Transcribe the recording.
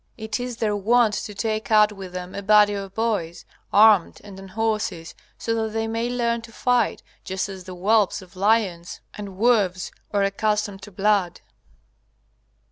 It is their wont to take out with them a body of boys, armed and on horses, so that they may learn to fight, just as the whelps of lions and wolves are accustomed to blood.